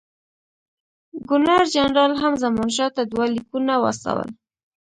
ګورنر جنرال هم زمانشاه ته دوه لیکونه واستول.